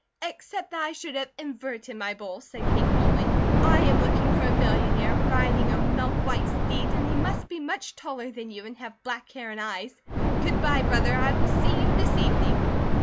"Except that I should have inverted my bowl," said Kate, calmly. "I am looking for a millionaire, riding a milk white steed, and he must be much taller than you and have black hair and eyes. Good bye, brother! I will see you this evening."